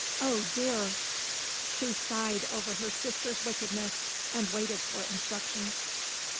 Oh, dear!" She sighed over her sister's wickedness, and waited for instructions.